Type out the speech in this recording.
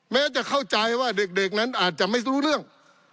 แม้จะเข้าใจว่าเด็กนั้นอาจจะไม่รู้เรื่อง